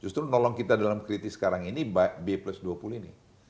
justru nolong kita dalam kritis sekarang ini b plus dua puluh ini